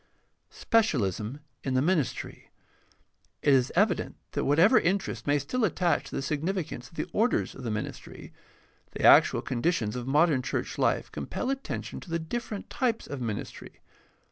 3. SPECIALISM IN THE MINISTRY It is evident that whatever interest may still attach to the significance of the orders of the ministry, the actual conditions of modern church life compel attention to the different types of ministry.